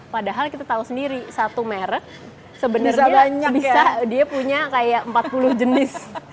padahal kita tahu sendiri satu merek sebenarnya bisa dia punya kayak empat puluh jenis